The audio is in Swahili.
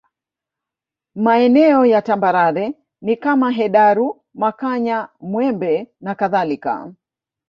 Maeneo ya tambarare ni kama Hedaru Makanya Mwembe na kadhalika